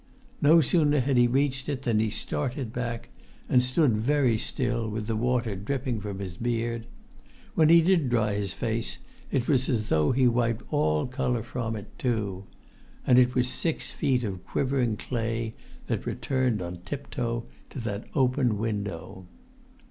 No sooner had he reached it than he started back, and stood very still with the water dripping from his beard. When he did dry his face it was as though he wiped all colour from it too. And it was six feet of quivering clay that returned on tip toe to that open window.